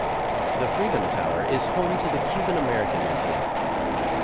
The Freedom Tower is home to the Cuban American Museum.